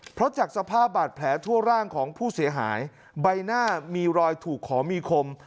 เพราะจากสภาพบาดแผลทั่วร่างของผู้เสียหายใบหน้ามีรอยถูกขอมีคม